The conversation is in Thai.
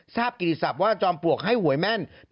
ทราบกิจศัพท์ว่าจอมปวกให้หวยแม่น